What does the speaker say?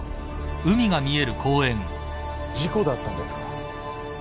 事故だったんですか？